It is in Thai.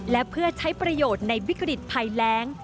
และเพื่อใช้ประโยชน์ในวิกฤตภัยแรง